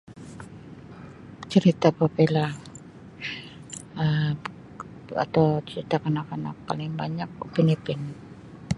Cerita 'popular' Um atau cerita kanak-kanak paling banyak upin ipin.